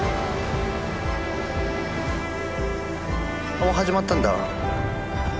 もう始まったんだ。